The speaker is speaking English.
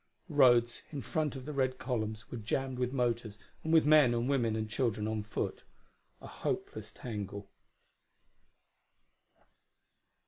The roads, in front of the red columns, were jammed with motors and with men and women and children on foot: a hopeless tangle.